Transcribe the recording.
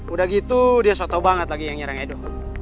udah gitu dia soto banget lagi yang nyerang edo